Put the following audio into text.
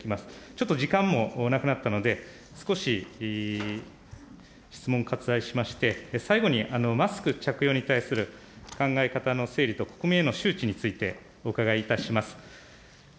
ちょっと時間も無くなったので、少し質問を割愛しまして、最後にマスク着用に対する考え方の整理と、国民への周知について、お伺いいたします。